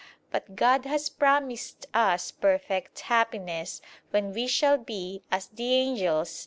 But God has promised us perfect happiness, when we shall be "as the angels